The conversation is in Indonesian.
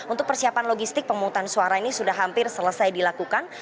untuk persiapan logistik pemutusan suara ini sudah hampir selesai dilakukan